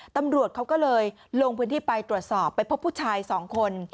ตำรวจเขาก็เลยลงพื้นที่ไปตรวจสอบไปพบผู้ชายสองคน